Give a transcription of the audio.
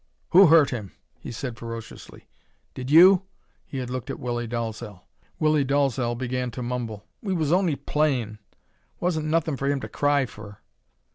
"Who hurt him?" he said, ferociously. "Did you?" He had looked at Willie Dalzel. Willie Dalzel began to mumble: "We was on'y playin'. Wasn't nothin' fer him to cry fer."